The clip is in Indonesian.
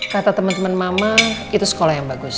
kata temen temen mama itu sekolah yang bagus